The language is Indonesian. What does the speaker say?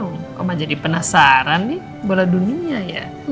mama jadi penasaran nih bola dunia ya